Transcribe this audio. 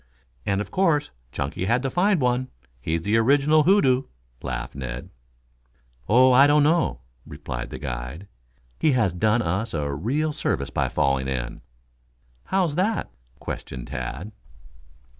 "And of course Chunky had to find one. He's the original hoodoo," laughed Ned. "Oh, I don't know," replied the guide. "He has done us a real service by falling in." "How's that!" questioned Tad.